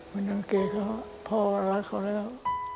ไม่รังเกียจเขาพอแล้วรักเขาแล้ว